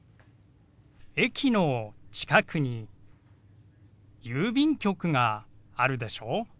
駅の近くに郵便局があるでしょ。